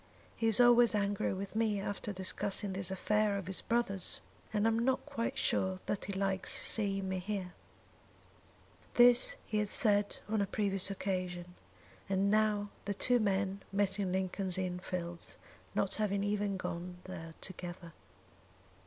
"He is always angry with me after discussing this affair of his brother's; and I am not quite sure that he likes seeing me here." This he had said on a previous occasion, and now the two men met in Lincoln's Inn Fields, not having even gone there together.